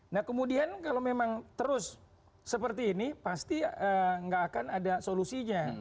nah kemudian kalau memang terus seperti ini pasti nggak akan ada solusinya